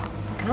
hei kok bengong